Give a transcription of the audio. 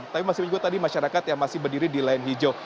tapi masih juga tadi masyarakat yang masih berdiri di lain hijau